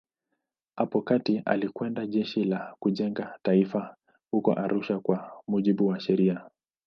Hapo kati alikwenda Jeshi la Kujenga Taifa huko Arusha kwa mujibu wa sheria.